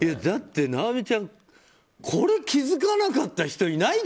だって尚美ちゃんこれ、気づかなかった人